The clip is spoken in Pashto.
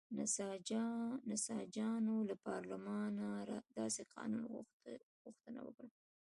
نساجانو له پارلمانه داسې قانون غوښتنه وکړه.